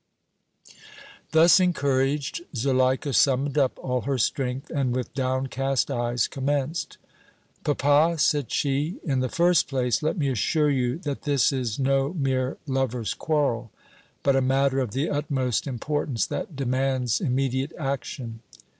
Thus encouraged, Zuleika summoned up all her strength and, with downcast eyes, commenced: "Papa," said she, "in the first place let me assure you that this is no mere lovers' quarrel, but a matter of the utmost importance that demands immediate action."